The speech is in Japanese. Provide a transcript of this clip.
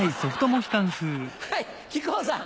はい木久扇さん。